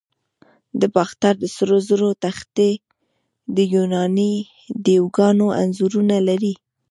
د باختر د سرو زرو تختې د یوناني دیوگانو انځورونه لري